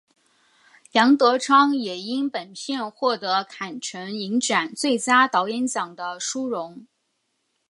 杨德昌也因本片获得坎城影展最佳导演奖的殊荣。